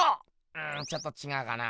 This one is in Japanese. うんちょっとちがうかな。